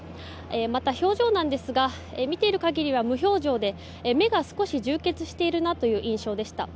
また、表情なんですが見ている限りは無表情で目が少し充血している印象でした。